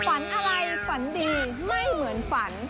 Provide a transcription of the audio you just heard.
ฝันอะไรฝันดีไม่เหมือนฝัน